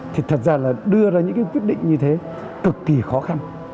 thì thật ra là đưa ra những cái quyết định như thế cực kỳ khó khăn